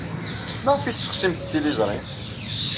Maɣef ay tesseɣsimt tiliẓri?